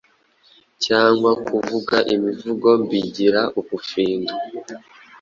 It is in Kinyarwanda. cyangwa kuvuga imivugo mbigira ubufindo.